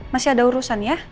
masih ada urusan ya